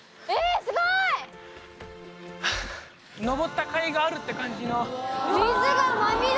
上ったかいがあるって感じの。